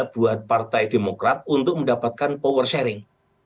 buat partai demokrat untuk mendapatkan power sharing